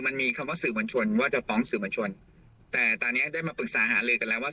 มันมีคำว่าสื่อมวลชนว่าจะฟ้องสื่อมวลชนแต่ตอนนี้ได้มาปรึกษาหาลือกันแล้วว่า